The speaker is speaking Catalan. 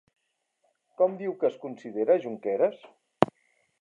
Com diu que es considera Junqueras?